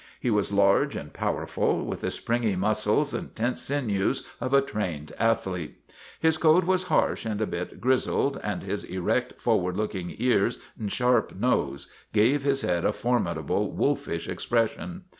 He was large and powerful, with the springy muscles and tense sinews of a trained ath lete. His coat was harsh and a bit grizzled and his erect, forward pointing ears and sharp nose gave his head a formidable, wolfish expression.